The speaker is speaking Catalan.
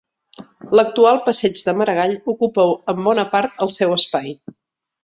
L'actual passeig de Maragall ocupa en bona part el seu espai.